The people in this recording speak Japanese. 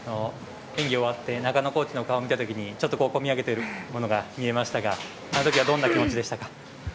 演技終わって中野コーチの顔を見たときにちょっと、込み上げてくるものが見えましたがあのときはどんな気持ちでしたか。